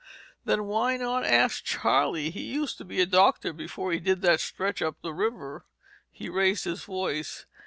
"Then why not ask Charlie? He used to be a doctor before he did that stretch up the river." He raised his voice.